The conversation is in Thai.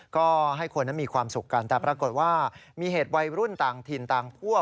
ก็ให้คนนั้นมีความสุขกันแต่ปรากฏว่ามีเหตุวัยรุ่นต่างถิ่นต่างพวก